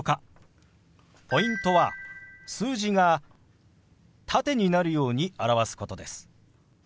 ポイントは数字が縦になるように表すことです。